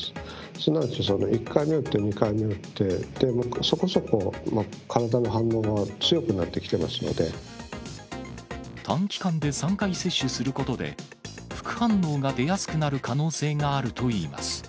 すなわち、１回目打って、２回目打って、そこそこ体の反応が強くなってき短期間で３回接種することで、副反応が出やすくなる可能性があるといいます。